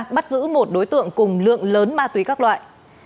bắt giữ một đối tượng cùng lượng lớn ma túy các loại